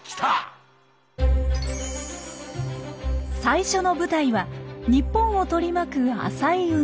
最初の舞台は日本を取り巻く浅い海。